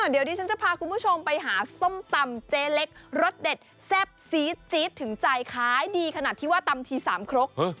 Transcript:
เดี๋ยวดิฉันจะพาคุณผู้ชมไปหาส้มตำเจ๊เล็กรสเด็ดแซ่บซีดจี๊ดถึงใจขายดีขนาดที่ว่าตำทีสามครก